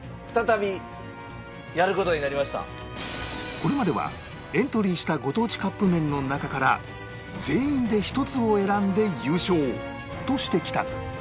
これまではエントリーしたご当地カップ麺の中から全員で１つを選んで優勝としてきたが